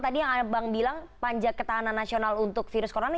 tadi yang bang bilang panja ketahanan nasional untuk virus corona